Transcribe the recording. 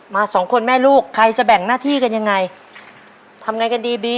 สองคนแม่ลูกใครจะแบ่งหน้าที่กันยังไงทำไงกันดีบี